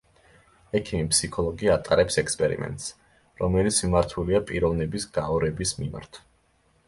ექიმი ფსიქოლოგი ატარებს ექსპერიმენტს, რომელიც მიმართულია პიროვნების გაორების მიმართ.